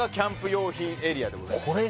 用品エリアでございます